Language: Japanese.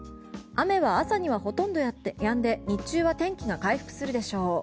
雨は朝にはほとんどやんで日中は天気が回復するでしょう。